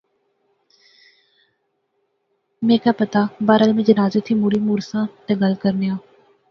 میں کہہ پتہ، بہرحال میں جنازے تھی مڑساں تہ گل کرنیاں